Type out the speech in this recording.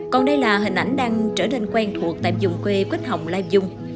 còn đây là hình ảnh đang trở nên quen thuộc tại vùng quê quếch hồng lai vung